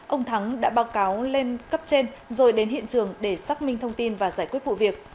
ông thắng đã báo cáo lên cấp trên rồi đến hiện trường để xác minh thông tin và giải quyết vụ việc